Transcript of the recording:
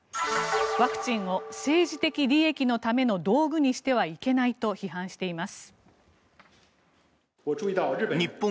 ワクチンを政治的利益のための道具にしてはいけないと批判しています。